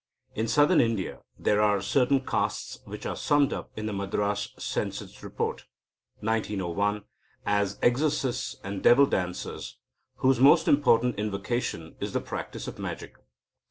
In Southern India there are certain castes which are summed up in the "Madras Census Report," 1901, as "exorcists and devil dancers," whose most important avocation is the practice of magic.